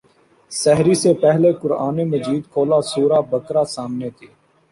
سحری سے پہلے قرآن مجید کھولا سورہ بقرہ سامنے تھی۔